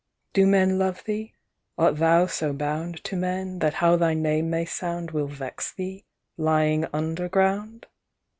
"Do men love thee? Art thou so bound To men, that how thy name may sound Will vex thee lying underground?